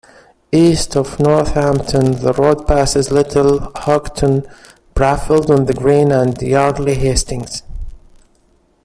East of Northampton the road passes Little Houghton, Brafield-on-the-Green and Yardley Hastings.